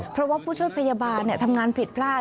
เพราะว่าผู้ช่วยพยาบาลทำงานผิดพลาด